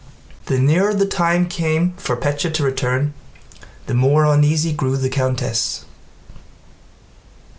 The nearer the time came for Pétya to return, the more uneasy grew the countess.